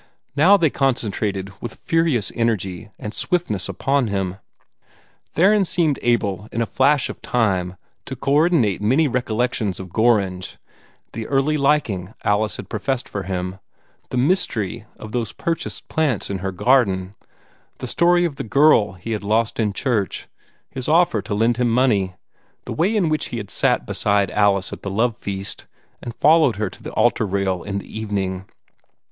Now they concentrated with furious energy and swiftness upon him. Theron seemed able in a flash of time to coordinate many recollections of Gorringe the early liking Alice had professed for him, the mystery of those purchased plants in her garden, the story of the girl he had lost in church, his offer to lend him money, the way in which he had sat beside Alice at the love feast and followed her to the altar rail in the evening.